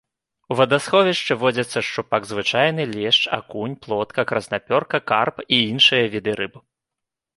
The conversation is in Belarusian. У вадасховішчы водзяцца шчупак звычайны, лешч, акунь, плотка, краснапёрка, карп і іншыя віды рыб.